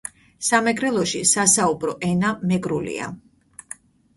სამეგრელოში სასაუბრო ენა მეგრულია